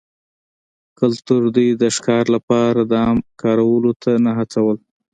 کلتور دوی د ښکار لپاره دام کارولو ته نه هڅول